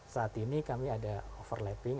saat ini kami ada overlapping